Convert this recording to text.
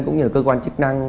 cũng như là cơ quan chức năng